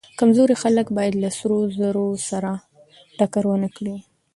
کمزوري خلک باید له زورورو سره ټکر ونه کړي.